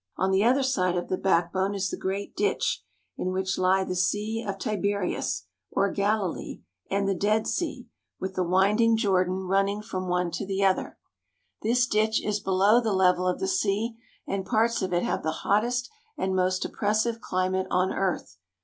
On the other side of the backbone is the great ditch in which lie the Sea of Tiberias, or Galilee, and the Dead Sea, with the winding Jordan 3i THE HOLY LAND AND SYRIA running from one to the other. This ditch is below the level of the sea and parts of it have the hottest and most oppressive climate on earth.